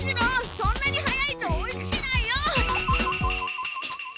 そんなに速いと追いつけないよ！